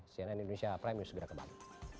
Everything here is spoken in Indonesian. cnn indonesia prime news segera kembali